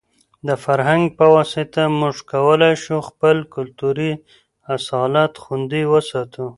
د فرهنګ په واسطه موږ کولای شو خپل کلتوري اصالت خوندي وساتو.